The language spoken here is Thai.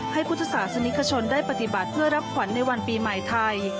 พุทธศาสนิกชนได้ปฏิบัติเพื่อรับขวัญในวันปีใหม่ไทย